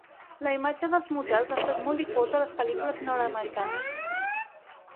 La imatge dels motels ha estat molt difosa a les pel·lícules nord-americanes.